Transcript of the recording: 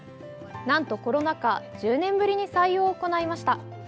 なんとコロナ禍１０年ぶりに採用を行いました。